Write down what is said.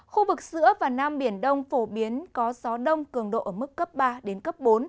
khu vực giữa và nam biển đông phổ biến có gió đông cường độ ở mức cấp ba đến cấp bốn